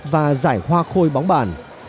và giải hoa khôi bóng bàn